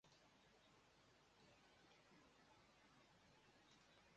壯語都係從百越語言演化過禮